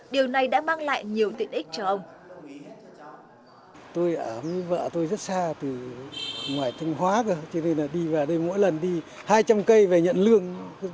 điều này đã mang lại nhiều tiện ích cho ông